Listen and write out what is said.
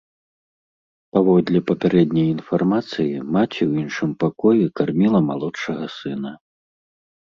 Паводле папярэдняй інфармацыі, маці ў іншым пакоі карміла малодшага сына.